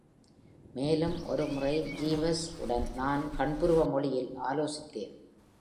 மேலும் ஒரு முறை Jeeves-உடன் நான் கண்புருவ மொழியில் ஆலோசித்தேன்.